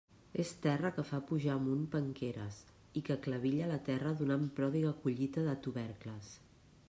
És terra que fa pujar amunt penqueres i que clevilla la terra donant pròdiga collita de tubercles.